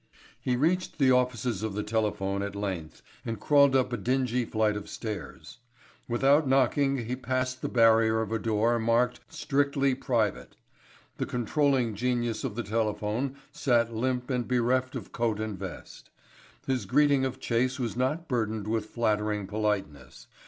He reached the offices of the Telephone at length and crawled up a dingy flight of stairs. Without knocking he passed the barrier of a door marked "strictly private." The controlling genius of the Telephone sat limp and bereft of coat and vest. His greeting of Chase was not burdened with flattering politeness.